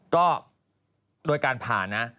ก็โดยการผ่านนะ